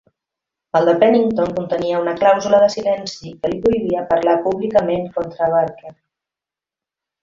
El de Pennington contenia una clàusula de silenci que li prohibia parlar públicament contra Barker.